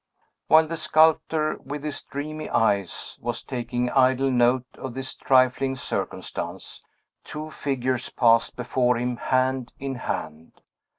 While the sculptor, with his dreamy eyes, was taking idle note of this trifling circumstance, two figures passed before him, hand in hand.